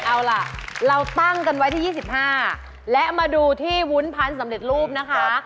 เอาล่ะเราตั้งกันไว้ที่๒๕และมาดูที่วุ้นพันธุ์สำเร็จรูปนะคะ